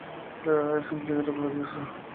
La verdad es un libro glorioso.